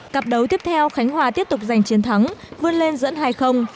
cặp đấu tiếp theo khánh hòa tiếp tục giành chiến thắng vươn lên dẫn hai